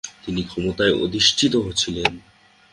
তিনি ক্ষমতায় অধিষ্ঠিত ছিলেন।